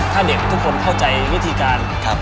ถ้าเด็กทุกคนเข้าใจวิธีการ